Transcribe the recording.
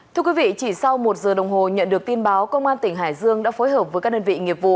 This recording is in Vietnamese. thưa quý vị chỉ sau một giờ đồng hồ nhận được tin báo công an tỉnh hải dương đã phối hợp với các đơn vị nghiệp vụ